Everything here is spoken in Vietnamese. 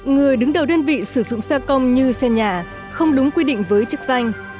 người đứng đầu đơn vị sử dụng xe công như xe nhà không đúng quy định với chức danh